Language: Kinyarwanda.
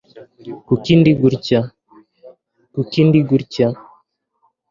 Kuki ndi gutya? Kuki ndi gutya?